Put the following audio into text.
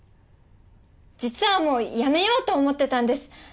実はもうやめようと思ってたんです。